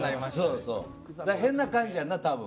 変な感じやな。